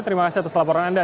terima kasih atas laporan anda